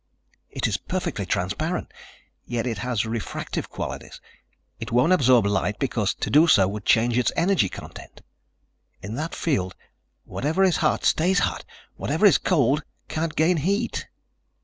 It is perfectly transparent, yet it has refractive qualities. It won't absorb light because to do so would change its energy content. In that field, whatever is hot stays hot, whatever is cold can't gain heat."